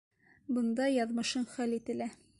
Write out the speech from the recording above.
Бында яҙмышың хәл ителә.